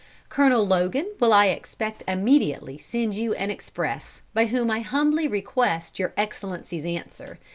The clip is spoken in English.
Colonel Logan will I expect immediately send you an express, by whom I humbly request Your Excellency's answer.